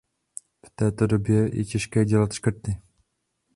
V této době je těžké dělat škrty.